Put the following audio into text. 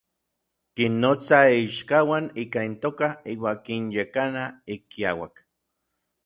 Kinnotsa n iichkauan ika intoka iuan kinyekana ik kiauak.